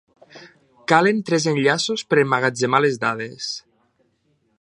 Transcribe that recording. Calen tres enllaços per emmagatzemar les dades.